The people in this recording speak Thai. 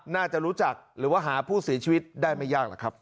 น่าจะรู้จักหรือว่าหาผู้เสียชีวิตได้ไม่ยากหรอกครับ